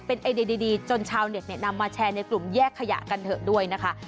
เป็นไอเดียดีจนชาวเน็ตนำมาแชร์ในกลุ่มแยกขยะกันเถอะด้วยนะคะ